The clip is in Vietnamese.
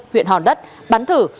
huyện hòn đất bắn thử